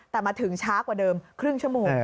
แต่มาถึงช้ากว่าเดิมครึ่งชั่วโมง